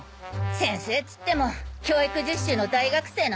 先生っつっても教育実習の大学生なんだけどな。